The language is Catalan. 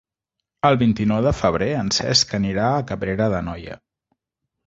El vint-i-nou de febrer en Cesc anirà a Cabrera d'Anoia.